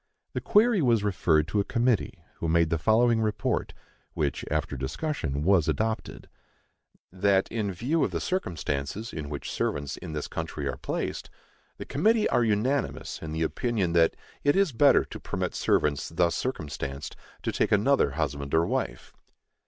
The query was referred to a committee, who made the following report; which, after discussion, was adopted: That, in view of the circumstances in which servants in this country are placed, the committee are unanimous in the opinion that it is better to permit servants thus circumstanced to take another husband or wife.